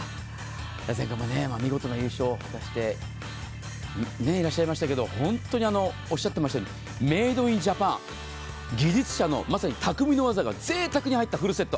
前回も見事な優勝を果たしてらっしゃいましたけど、本当におっしゃっていましたようにメイド・イン・ジャパン、技術者のまさに匠の技がぜいたくに入ったフルセット。